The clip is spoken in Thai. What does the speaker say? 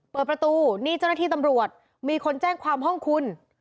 เปิดประตูนี่เจ้าหน้าที่ตำรวจมีคนแจ้งความห้องคุณ